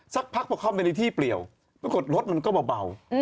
สักพักพอเข้าไปในที่เปลี่ยวปรากฏรถมันก็เบา